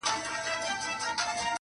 • لا سلمان یې سر ته نه وو درېدلی -